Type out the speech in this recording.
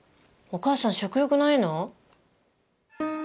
お母さん食欲ないの？